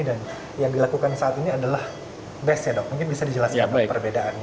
dan yang dilakukan saat ini adalah bes ya dok mungkin bisa dijelaskan perbedaannya